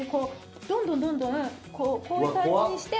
どんどんどんどんこういう感じにして。